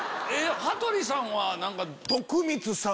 羽鳥さんは何か。